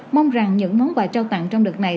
mong rằng những món quà trao tặng trong đợt này